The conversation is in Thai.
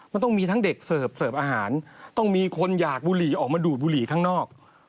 มันต้องมีทั้งเด็กเสิร์ฟเสิร์ฟอาหารต้องมีคนอยากบุหรี่ออกมาดูดบุหรี่ข้างนอก